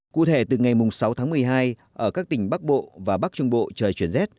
cụ thể từ ngày sáu tháng một mươi hai ở các tỉnh bắc bộ và bắc trung bộ trời chuyển rét